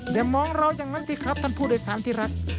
อย่ามองเราอย่างนั้นสิครับท่านผู้โดยสารที่รัก